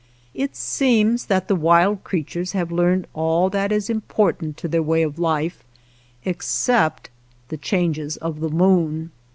It seems that the wild creatures have learned all that is im portant to their way of life except the changes of the moon.